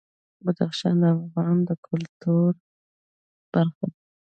بدخشان د افغانانو د ګټورتیا برخه ده.